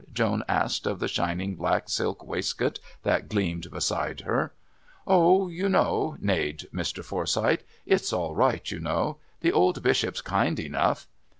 Joan asked of the shining black silk waistcoat that gleamed beside her. "Oh, you know...." neighed Mr. Forsyth. "It's all right, you know. The old Bishop's kind enough."